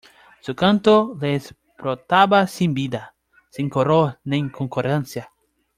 Su canto les brotaba sin vida, sin color ni concordancia...